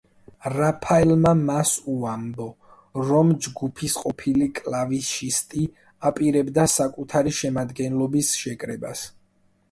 რაფაელმა მას უამბო, რომ ჯგუფის ყოფილი კლავიშისტი აპირებდა საკუთარი შემადგენლობის შეკრებას.